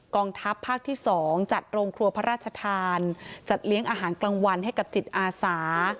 ทัพภาคที่๒จัดโรงครัวพระราชทานจัดเลี้ยงอาหารกลางวันให้กับจิตอาสา